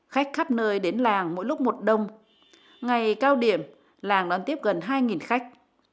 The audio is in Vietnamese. khách khắp nơi đến làng mỗi lúc một đông ngày cao điểm làng đón tiếp gần hai khách